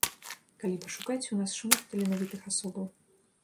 Калі пашукаць, у нас шмат таленавітых асобаў.